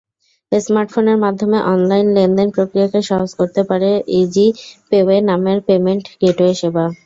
স্মার্টফোনের মাধ্যমে অনলাইন লেনদেন প্রক্রিয়াকে সহজ করতে পারে ইজিপেওয়ে নামের পেমেন্ট গেটওয়ে সেবা।